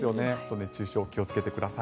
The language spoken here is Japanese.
熱中症に気をつけてください。